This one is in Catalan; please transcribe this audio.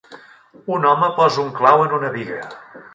Un home posa un clau en una biga.